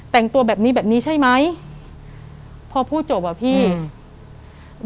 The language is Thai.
แต่งตัวแบบนี้แบบนี้ใช่ไหมพอพูดจบอ่ะพี่อืม